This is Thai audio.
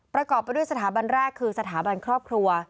ประกอบไปด้วยสถาบันแรกคือสถาบันครอบครัว